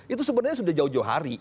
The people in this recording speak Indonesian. itu sebenarnya sudah jauh jauh hari